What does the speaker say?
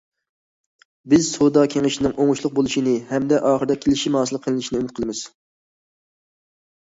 بىز سودا كېڭىشىنىڭ ئوڭۇشلۇق بولۇشىنى ھەمدە ئاخىرىدا كېلىشىم ھاسىل قىلىنىشىنى ئۈمىد قىلىمىز.